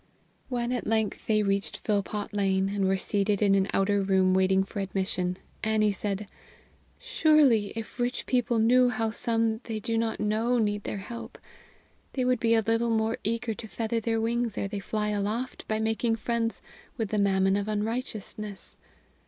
When at length they reached Philpot Lane, and were seated in an outer room waiting for admission, Annie said: "Surely, if rich people knew how some they do not know need their help, they would be a little more eager to feather their wings ere they fly aloft by making friends with the Mammon of unrighteousness.